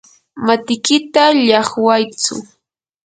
matikita llaqwaytsu.